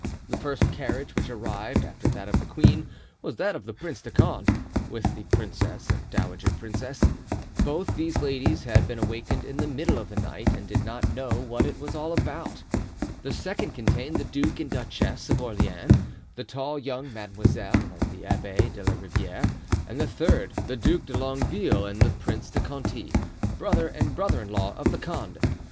The first carriage which arrived after that of the queen was that of the Prince de Condé, with the princess and dowager princess. Both these ladies had been awakened in the middle of the night and did not know what it all was about. The second contained the Duke and Duchess of Orleans, the tall young Mademoiselle and the Abbé de la Riviere; and the third, the Duke de Longueville and the Prince de Conti, brother and brother in law of Condé.